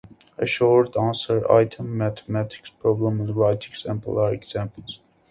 A short-answer item, mathematics problem, and writing sample are examples.